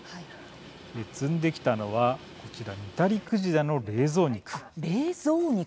積んできたのは、こちらニタリクジラの冷蔵肉。